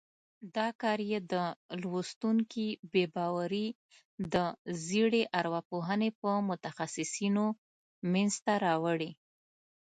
دا کار یې د لوستونکي بې باوري د زېړې روانپوهنې په متخصیصینو منځته راوړي.